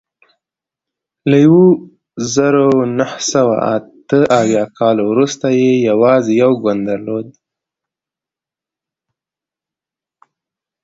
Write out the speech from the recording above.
له یوه زرو نهه سوه اته اویا کال وروسته یې یوازې یو ګوند درلود.